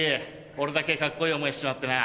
俺だけカッコいい思いしちまってな。